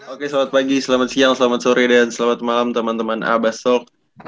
oke selamat pagi selamat siang selamat sore dan selamat malam teman teman a basok